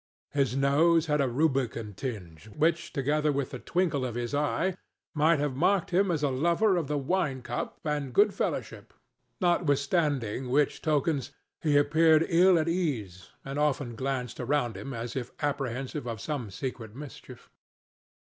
His nose had a rubicund tinge, which, together with the twinkle of his eye, might have marked him as a lover of the wine cup and good fellowship; notwithstanding which tokens, he appeared ill at ease, and often glanced around him as if apprehensive of some secret mischief.